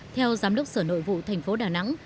theo giám đốc sở nội vụ thành phố đà nẵng